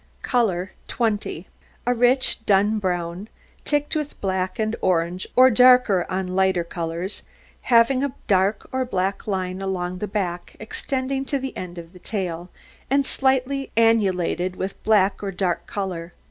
COLOUR 20 A rich, dun brown, ticked with black and orange, or darker on lighter colours, having a dark or black line along the back extending to the end of the tail, and slightly annulated with black or dark colour.